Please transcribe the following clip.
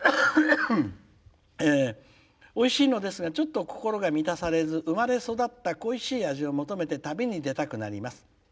おいしいのですがちょっと心が満たされず生まれ育った恋しい味を求めて旅に出たくなります。